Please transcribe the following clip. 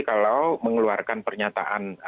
kalau mengeluarkan pernyataan